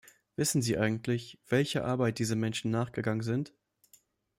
Wissen Sie eigentlich, welcher Arbeit diese Menschen nachgegangen sind?